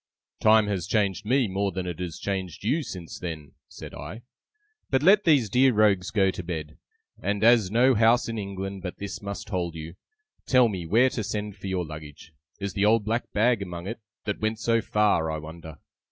'Time has changed me more than it has changed you since then,' said I. 'But let these dear rogues go to bed; and as no house in England but this must hold you, tell me where to send for your luggage (is the old black bag among it, that went so far, I wonder!)